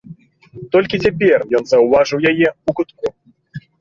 Толькі цяпер ён заўважыў яе ў кутку.